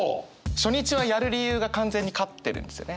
初日はやる理由が完全に勝ってるんですよね。